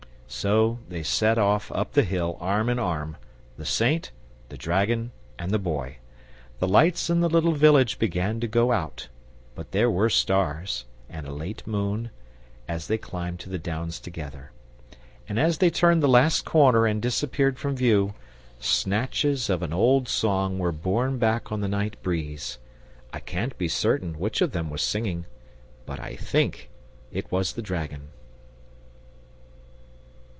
So they set off up the hill arm in arm, the Saint, the Dragon, and the Boy. The lights in the little village began to go out; but there were stars, and a late moon, as they climbed to the Downs together. And, as they turned the last corner and disappeared from view, snatches of an old song were borne back on the night breeze. I can't be certain which of them was singing, but I THINK it was the Dragon!